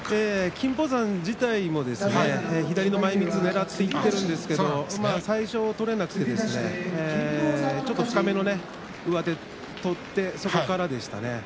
金峰山自体も左の前みつをねらっていったんですが最初は取れなくてちょっと深めの上手を取ってそこからでしたね。